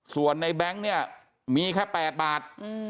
ส่วนในแบงค์เนี่ยมีแค่๘บาท